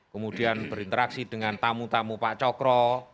kemudian berinteraksi dengan tamu tamu pak cokro